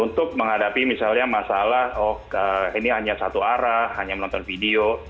untuk menghadapi misalnya masalah oh ini hanya satu arah hanya menonton video